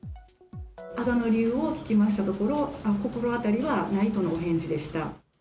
あざの理由を聞きましたところ、心当たりはないとのお返事でした。